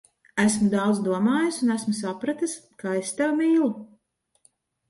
Esmu daudz domājis, un esmu sapratis, ka es tevi mīlu.